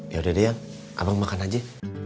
yaudah deh abang makan aja